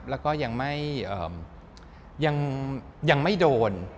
แล้วก็ยังไม่โดน